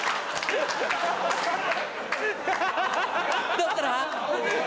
どっから？